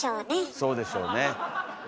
そうでしょうね。